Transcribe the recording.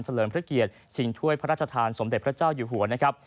เลิมพระเกียรติชิงถ้วยพระราชทานสมเด็จพระเจ้าอยู่หัวนะครับ